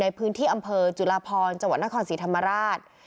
ในพื้นที่อำเภอจุลาพรจังหวัดนครศรีธรรมราช